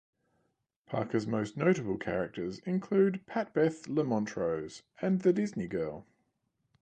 Parker's most notable characters include Pat-Beth LaMontrose and the Disney Girl.